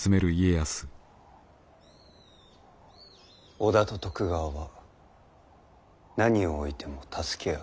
織田と徳川は何を措いても助け合う。